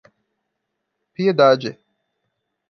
Piedade